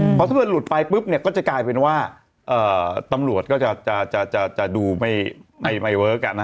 เพราะถ้าเกิดหลุดไปปุ๊บก็จะกลายเป็นว่าตำรวจก็จะดูไม่เวิร์ค